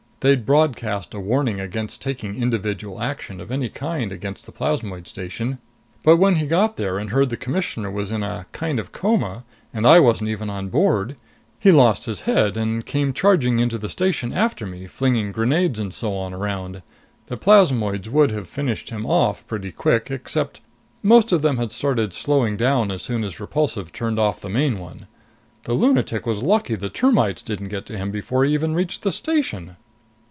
They'd broadcast a warning against taking individual action of any kind against the plasmoid station. But when he got there and heard the Commissioner was in a kind of coma, and I wasn't even on board, he lost his head and came charging into the station after me, flinging grenades and so on around. The plasmoids would have finished him off pretty quick, except most of them had started slowing down as soon as Repulsive turned off the main one. The lunatic was lucky the termites didn't get to him before he even reached the station!"